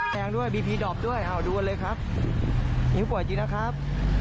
แพงด้วยบีพีดอบด้วยเอาดูกันเลยครับนิ้วป่วยจริงนะครับ